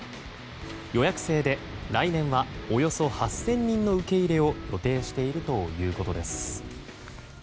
予約制で、来年はおよそ８０００人の受け入れを予定しているということです。